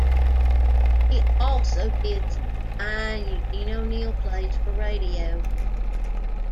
He also did some fine Eugene O'Neill plays for radio.